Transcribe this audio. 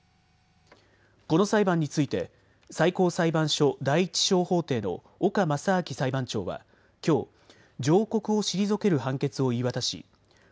この裁判について最高裁判所第１小法廷の岡正晶裁判長はきょう上告を退ける判決を言い渡し